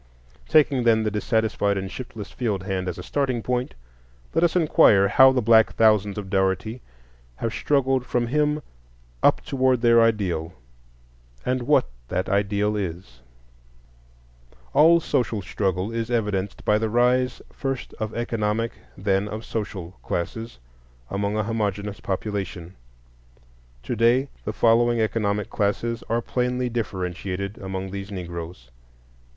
Taking, then, the dissatisfied and shiftless field hand as a starting point, let us inquire how the black thousands of Dougherty have struggled from him up toward their ideal, and what that ideal is. All social struggle is evidenced by the rise, first of economic, then of social classes, among a homogeneous population. To day the following economic classes are plainly differentiated among these Negroes.